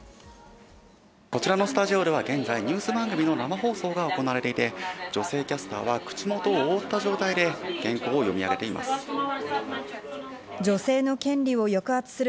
こちらのスタジオでは現在、ニュース番組の生放送が行われていて、女性キャスターは口元を覆った状態で、原稿を読み上げています。